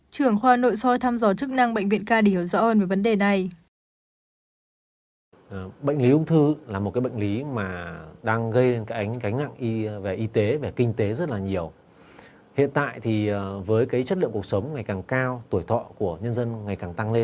trưởng khoa nội soi thăm dò chức năng bệnh viện ca đi hợp rõ hơn về vấn đề này